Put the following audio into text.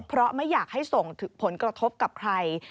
เพราะไม่อยากให้ส่งผลกระทบกับใคร